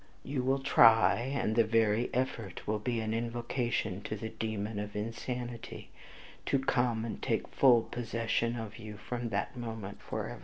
You will try, and the very effort will be an invocation to the demon of insanity to come and take full possession of you from that moment forever."